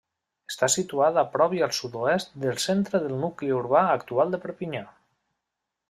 Està situat a prop i al sud-oest del centre del nucli urbà actual de Perpinyà.